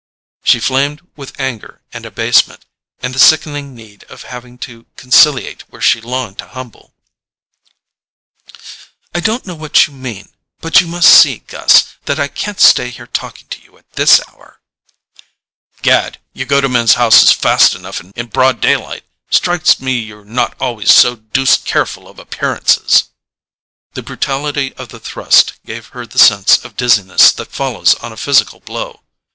She flamed with anger and abasement, and the sickening need of having to conciliate where she longed to humble. "I don't know what you mean—but you must see, Gus, that I can't stay here talking to you at this hour——" "Gad, you go to men's houses fast enough in broad day light—strikes me you're not always so deuced careful of appearances." The brutality of the thrust gave her the sense of dizziness that follows on a physical blow.